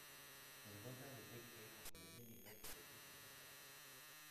Il vota les décrets contre les émigrés et les prêtres réfractaires.